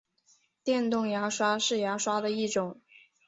电动牙刷是牙刷的一种。